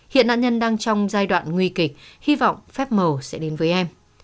hiện nạn nhân đang trong giai đoạn nguy kịch hy vọng phép màu sẽ đến với em